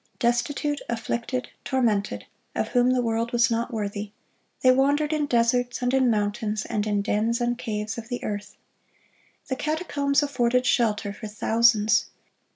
"Destitute, afflicted, tormented; (of whom the world was not worthy:) they wandered in deserts, and in mountains, and in dens and caves of the earth."(60) The catacombs afforded shelter for thousands.